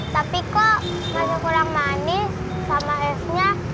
tapi kok rasa kurang manis sama esnya